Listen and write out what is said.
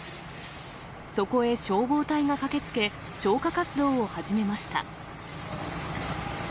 そこへ、消防隊が駆けつけ、消火活動を始めました。